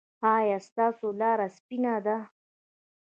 ایا ستاسو لاره سپینه ده؟